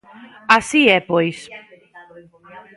Así é, pois.